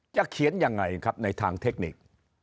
เขียนยังไงครับในทางเทคนิค